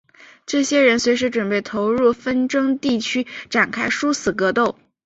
这些人随时准备投入纷争地区展开殊死格斗。